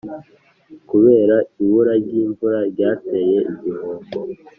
kubera ibura ry’imvura ryateye igihombo